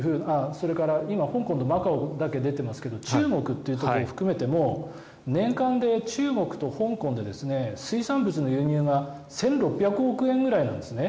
今、香港とマカオだけ出ていますが中国というところを含めても年間で中国と香港で水産物の輸入が１６００億円ぐらいなんです。